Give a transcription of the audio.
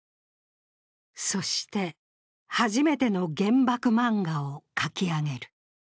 そして、初めての原爆漫画を描き上げる。